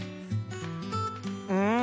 うん！